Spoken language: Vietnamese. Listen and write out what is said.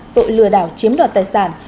tội lừa đảo chiếm đoạt tài sản